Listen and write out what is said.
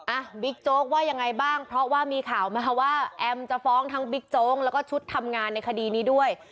บิ๊กโจ๊กว่ายังไงบ้างเพราะว่ามีข่าวมาว่าแอมจะฟ้องทั้งบิ๊กโจ๊กแล้วก็ชุดทำงานในคดีนี้ด้วย